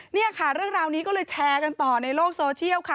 นี่ค่ะเรื่องราวนี้ก็เลยแชร์กันต่อในโลกโซเชียลค่ะ